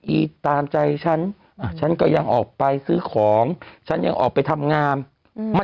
ตามใจฉันอ่ะฉันก็ยังออกไปซื้อของฉันยังออกไปทำงานอืม